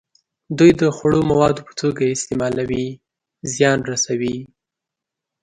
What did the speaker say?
دوی د خوړو موادو په توګه یې استعمالوي او زیان رسوي.